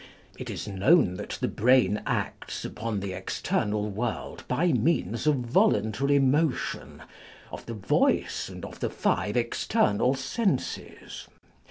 It is known that the brain acts upon the external world by means of volun tary motion, of the voice, and of the five external senses.